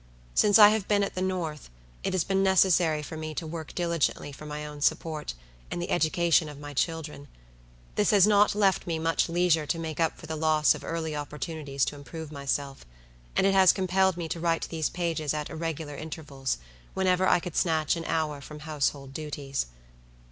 Since I have been at the North, it has been necessary for me to work diligently for my own support, and the education of my children. This has not left me much leisure to make up for the loss of early opportunities to improve myself; and it has compelled me to write these pages at irregular intervals, whenever I could snatch an hour from household duties.